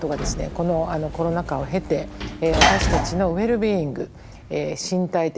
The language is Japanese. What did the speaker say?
このコロナ禍を経て私たちのウェルビーイング身体的